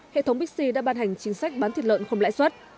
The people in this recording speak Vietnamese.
hệ thống bixi đã ban hành chính sách bán thịt lợn không lãi suất